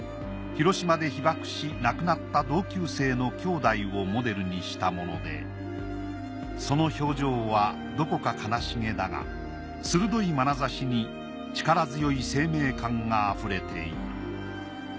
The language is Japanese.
広島で被爆し亡くなった同級生の兄妹をモデルにしたものでその表情はどこか悲しげだが鋭いまなざしに力強い生命感が溢れている。